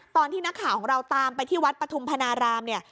ตอนที่นักข่าวของเราตามไปที่วัดปฐุมพนารามเนี่ย